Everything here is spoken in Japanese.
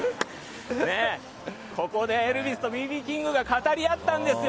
ここでエルヴィスとＢ．Ｂ．キングが語り合ったんですよ。